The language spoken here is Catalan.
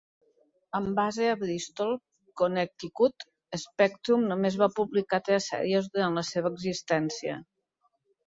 Amb base a Bristol, Connecticut, Spectrum només va publicar tres sèries durant la seva existència.